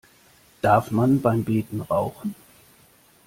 Darf man beim Beten rauchen?